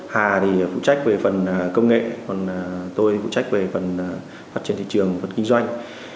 hà thì phụ trách về phần công nghệ còn tôi phụ trách về phần phát triển thị trường vật kinh doanh